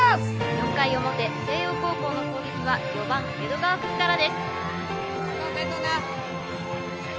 ４回表星葉高校の攻撃は４番江戸川くんからです